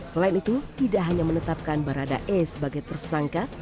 selain itu tidak hanya menetapkan berada es sebagai tersangka